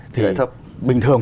thì bình thường